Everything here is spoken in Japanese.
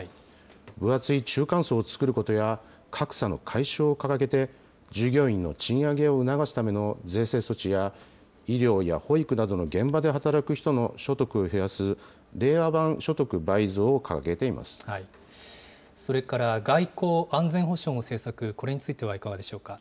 分厚い中間層を作ることや、格差の解消を掲げて、従業員の賃上げを促すための税制措置や、医療や保育などの現場で働く人の所得を増やす令和版所得倍増を掲それから外交・安全保障の政策、これについてはいかがでしょうか。